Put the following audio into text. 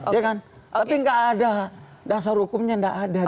tapi gak ada dasar hukumnya gak ada